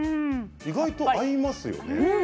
意外と合いますよね。